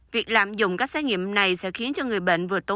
việc lạm dụng các xét nghiệm này sẽ khiến cho người bệnh vừa tốt hơn